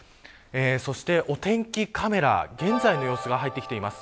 そしてお天気カメラ現在の様子が入ってきています。